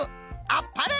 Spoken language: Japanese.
あっぱれ！